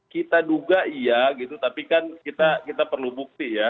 kita duga iya gitu tapi kan kita perlu bukti ya